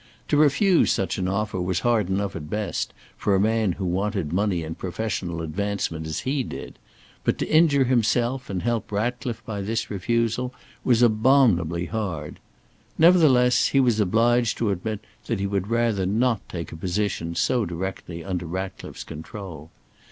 To refuse such an offer was hard enough at best, for a man who wanted money and professional advancement as he did, but to injure himself and help Ratcliffe by this refusal, was abominably hard. Nevertheless, he was obliged to admit that he would rather not take a position so directly under Ratcliffe's control.